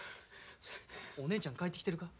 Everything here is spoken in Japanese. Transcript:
お姉ちゃん帰ってきてるか？